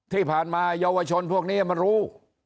ที่ผ่านมาเยาวชนพวกนี้มันรู้